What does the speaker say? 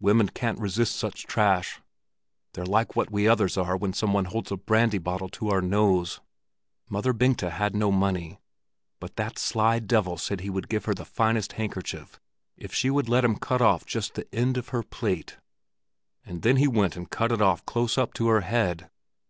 Women can't resist such trash; they're like what we others are when some one holds a brandy bottle to our nose. Mother Bengta had no money, but that sly devil said he would give her the finest handkerchief if she would let him cut off just the end of her plait. And then he went and cut it off close up to her head.